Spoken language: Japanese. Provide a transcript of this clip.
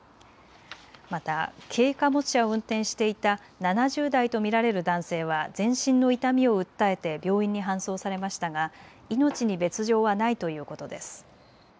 また軽貨物車を運転していた７０代と見られる男性は全身の痛みを訴えて病院に搬送されましたが命に別状はないということです。